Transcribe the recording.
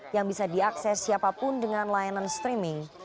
yang bisa diakses siapapun dengan layanan streaming